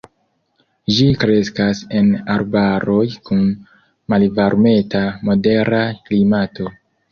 Ĝi kreskas en arbaroj kun malvarmeta-modera klimato.